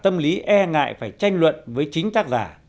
tâm lý e ngại phải tranh luận với chính tác giả